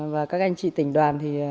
và các anh chị tỉnh đoàn